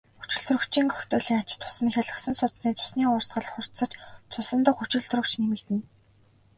Хүчилтөрөгчийн коктейлийн ач тус нь хялгасан судасны цусны урсгал хурдсаж цусан дахь хүчилтөрөгч нэмэгдэнэ.